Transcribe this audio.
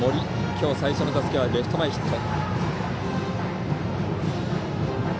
今日最初の打席はレフト前ヒット。